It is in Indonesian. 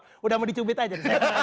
sudah dicubit aja